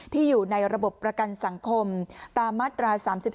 อยู่ในระบบประกันสังคมตามมาตรา๓๔